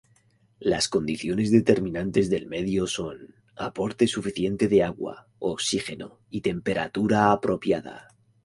Las condiciones determinantes del medio son: Aporte suficiente de agua, oxígeno, y temperatura apropiada.